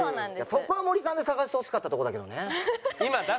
そこは森さんで探してほしかったとこだけどね。